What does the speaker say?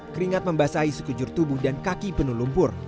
keringat membasahi sekujur tubuh dan kaki penuh lumpur